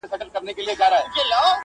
زه مي ژاړمه د تېر ژوندون کلونه!